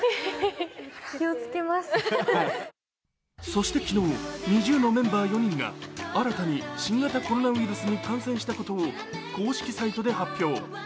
そして昨日、ＮｉｚｉＵのメンバー４人が新型コロナウイルスに感染したことを公式サイトで発表。